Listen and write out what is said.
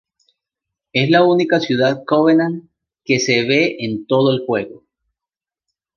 Es la única ciudad Covenant que se ve en todo el juego.